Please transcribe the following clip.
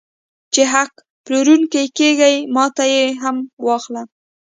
چې حق پلورل کېږي ماته یې هم واخله